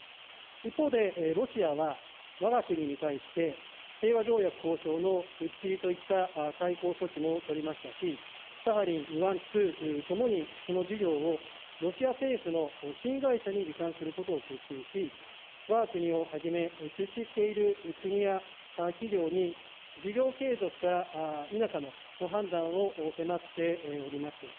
一方でロシアはわが国に対して、平和条約交渉の打ち切りといった対抗措置も取りましたし、サハリン１、２ともにその事業をロシア政府の新会社に移管することを決定し、わが国をはじめ出資している国や企業に事業継続か否かの判断を迫っております。